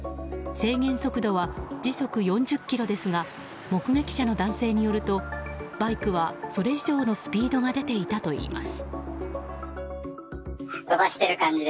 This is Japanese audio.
制限速度は時速４０キロですが目撃者の男性によるとバイクは、それ以上のスピードが出ていたといいます。